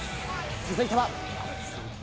続いては。